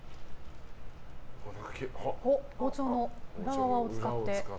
包丁の裏側を使って。